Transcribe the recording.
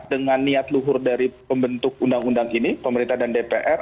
dengan niat luhur dari pembentuk undang undang ini pemerintah dan dpr